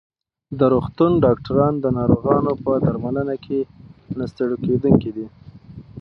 د روغتون ډاکټران د ناروغانو په درملنه کې نه ستړي کېدونکي دي.